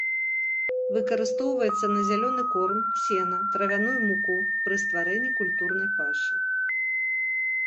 Выкарыстоўваецца на зялёны корм, сена, травяную муку, пры стварэнні культурнай пашы.